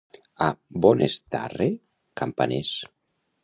A Bonestarre, campaners.